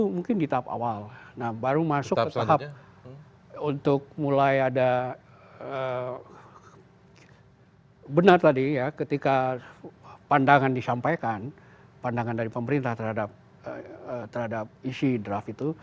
mungkin di tahap awal nah baru masuk ke tahap untuk mulai ada benar tadi ya ketika pandangan disampaikan pandangan dari pemerintah terhadap isi draft itu